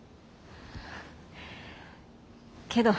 けど。